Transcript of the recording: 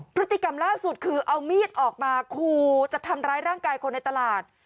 พฤติกรรมล่าสุดคือเอามีดออกมาคูจะทำร้ายร่างกายคนในตลาด